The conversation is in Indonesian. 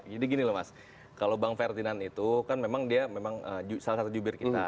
jadi gini loh mas kalau bang ferdinand itu kan memang dia salah satu jubir kita